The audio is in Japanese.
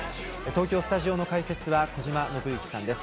東京のスタジオの解説は小島伸幸さんです。